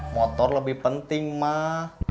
motor lebih penting mak